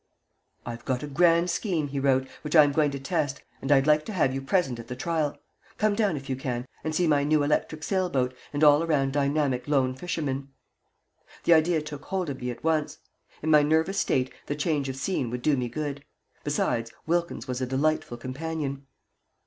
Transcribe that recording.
"I've got a grand scheme," he wrote, "which I am going to test, and I'd like to have you present at the trial. Come down, if you can, and see my new electric sailboat and all around dynamic Lone Fisherman." The idea took hold of me at once. In my nervous state the change of scene would do me good. Besides, Wilkins was a delightful companion.